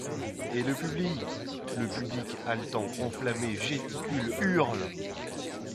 Et le public ! le public, haletant, enflammé, gesticule, hurle !